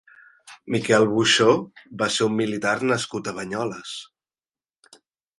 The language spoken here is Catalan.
Miquel Boixó va ser un militar nascut a Banyoles.